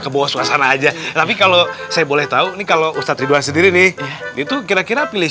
ke bawah suasana aja tapi kalau saya boleh tahu nih kalau ustadz ridwan sendiri nih itu kira kira pilih